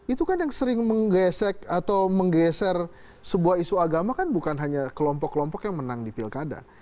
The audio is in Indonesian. itu kan yang sering menggesek atau menggeser sebuah isu agama kan bukan hanya kelompok kelompok yang menang di pilkada